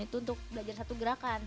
itu untuk belajar satu gerakan